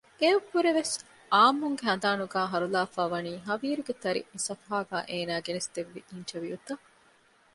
އެއަށް ވުރެ ވެސް އާއްމުންގެ ހަނދާނުގައި ހަރުލާފައިވަނީ ހަވީރުގެ ތަރި މި ސަފުހާގައި އޭނާ ގެނެސްދެއްވި އިންޓަވިއުތައް